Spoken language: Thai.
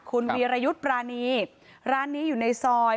คุณวีรยุทธ์ปรานีร้านนี้อยู่ในซอย